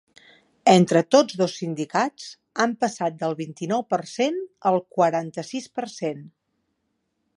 Entre tots dos sindicats, han passat del vint-i-nou per cent al quaranta-sis per cent.